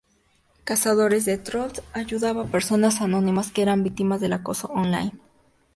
Cazadores de trolls ayudaba a personas anónimas que eran víctimas del acoso online.